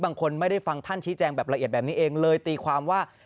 แบบละเอียดแบบนี้เองเลยตีความว่า